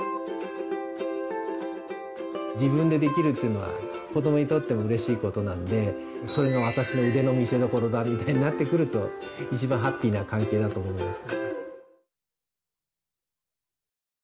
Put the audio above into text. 自分でできるっていうのは子どもにとってもうれしいことなので「それがワタシのウデのみせどころだ」みたいになってくると一番ハッピーな関係だと思います。